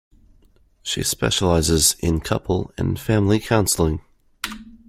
She specializes in couple and family counselling.